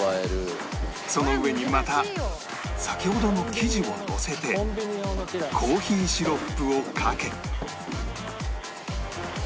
その上にまた先ほどの生地をのせてコーヒーシロップをかけ